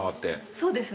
そうですね。